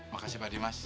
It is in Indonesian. makasih pak dimas